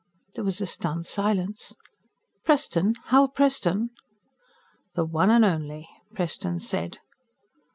There was a stunned silence. "Preston? Hal Preston?" "The one and only," Preston said.